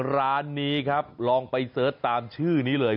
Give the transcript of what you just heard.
ร้านนี้ครับลองไปเสิร์ชตามชื่อนี้เลย